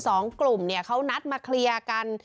สองกลุ่มเนี่ยเขานัดมาเคลียร์กัน